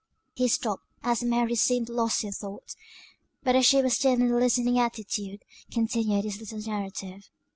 He stopped, as Mary seemed lost in thought; but as she was still in a listening attitude, continued his little narrative.